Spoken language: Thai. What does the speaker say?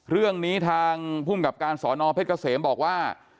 เรื่องนี้ทางภูมิกับการสอนอเพชรเกษมบอกว่า